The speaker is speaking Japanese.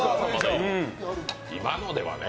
今のではね。